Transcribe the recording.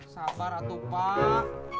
sabar atutis pak